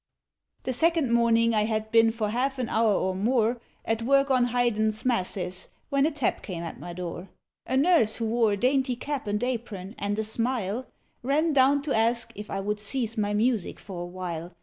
The second morning I had been for half an hour or more At work on Haydn's masses, when a tap came at my door. A nurse who wore a dainty cap and apron, and a smile, Ran down to ask if I would cease my music for awhile.